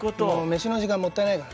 飯の時間もったいないから。